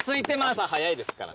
朝早いですから。